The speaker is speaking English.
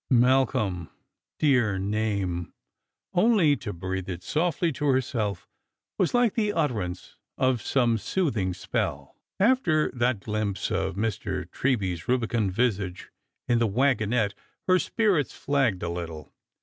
Malcolm ! dear name ! Only to breathe it softly to herself was like the utterance of some soothing spell. After that glimpse of Mr. Treby's rubicund visage in the wagon ette her spirits flagged a little.